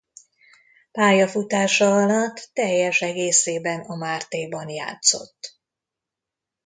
Pályafutása alatt teljes egészében a Martéban játszott.